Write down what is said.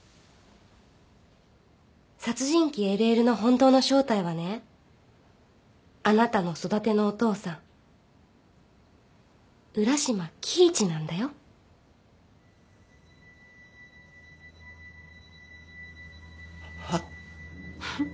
殺人鬼・ＬＬの本当の正体はねあなたの育てのお父さん浦島亀一なんだよ。は？フフッ。